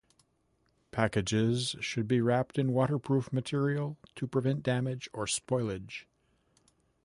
Packages should be wrapped in waterproof material to prevent damage or spoilage.